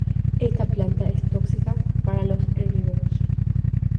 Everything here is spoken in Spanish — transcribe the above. Esta planta es tóxica para los herbívoros.